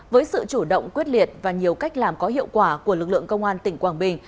với sự chủ động quyết liệt và nhiều cách làm có hiệu quả của lực lượng công an tỉnh quảng bình